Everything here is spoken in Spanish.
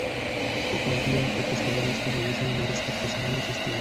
cofradías de pescadores que realizan una pesca artesanal y sostenible